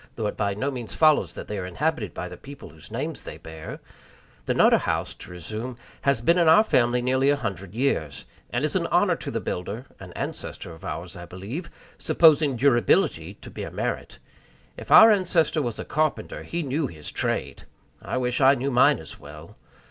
though it by no means follows that they are inhabited by the people whose names they bear the Nutter House, to resume, has been in our family nearly a hundred years, and is an honor to the builder (an ancestor of ours, I believe), supposing durability to be a merit. If our ancestor was a carpenter, he knew his trade. I wish I knew mine as well.